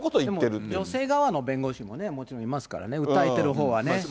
でも女性側の弁護士ももちろんいますからね、訴えるほうはね。